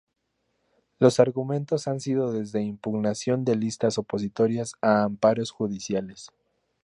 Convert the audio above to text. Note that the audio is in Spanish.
Los argumentos han sido desde impugnación de listas opositoras a amparos judiciales.